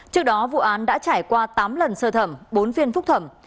trước đó vụ án đã trải qua tám lần sơ thẩm bốn phiên phúc thẩm